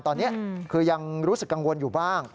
ตอนนี้คือยังรู้สึกกังวลอยู่บ้าง